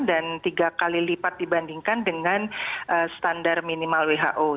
dan tiga kali lipat dibandingkan dengan standar minimal who